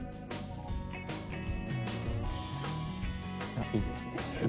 あっいいですねぇ。